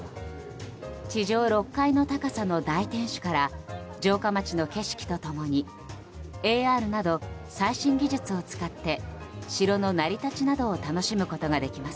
地上６階の高さの大天守から城下町の景色と共にＡＲなど最新技術を使って城の成り立ちなどを楽しむことができます。